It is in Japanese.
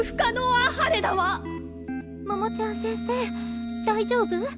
桃ちゃん先生大丈夫？